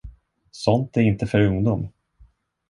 Sånt är inte för ungdom.